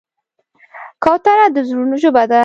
کوتره د زړونو ژبه ده.